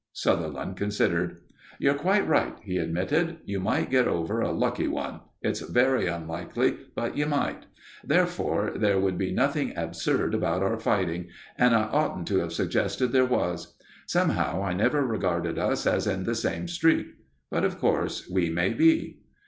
Sutherland considered. "You're quite right," he admitted. "You might get over a lucky one. It's very unlikely, but you might. Therefore there would be nothing absurd about our fighting, and I oughtn't to have suggested there was. Somehow I never regarded us as in the same street. But, of course, we may be."